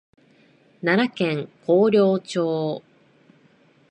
奈良県広陵町